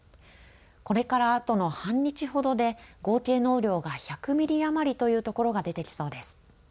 これからあとの半日ほどで合計の雨量が１００ミリ余りというところが出てきそうです。